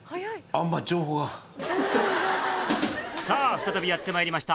さぁ再びやってまいりました。